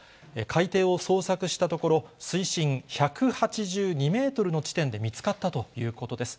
海底を捜索したところ、水深１８２メートルの地点で見つかったということです。